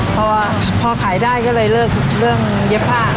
พอขายได้ก็เลยเลิกเย็บผ้า